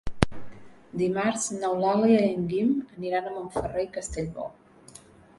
Dimarts n'Eulàlia i en Guim aniran a Montferrer i Castellbò.